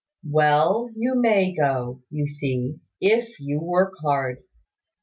"Well: you may go, you see, if you will work hard.